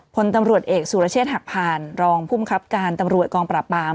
พลตำรวจเอกสุรเชษฐหักผ่านรองภูมิครับการตำรวจกองปราบปราม